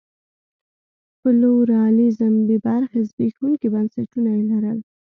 پلورالېزم بې برخې زبېښونکي بنسټونه یې لرل.